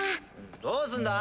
どうすんだ？